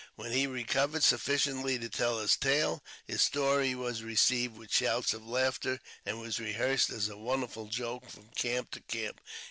When he recovered sufficiently to tell his tale, his story was received with shouts of laughter, and was rehearsed as a wonderful joke from camp to camp.